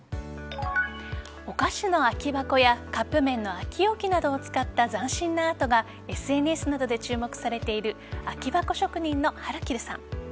お菓子の空き箱やカップ麺の空き容器などを使った斬新なアートがＳＮＳなどで注目されている空箱職人のはるきるさん。